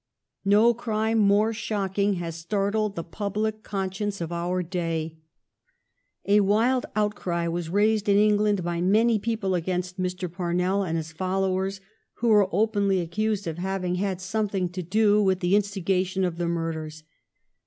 No crime more shocking has startled the public conscience of our day. A wild outcry was raised in England by many people against Mr. Parnell and his fol lowers, who were openly accused of having had 346 THE STORY OF GLADSTONES LIFE something to do with the instigation of the mur ders.